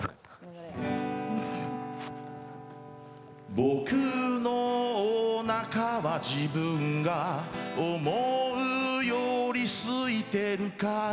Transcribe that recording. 僕のおなかは自分が思うよりすいてるかい？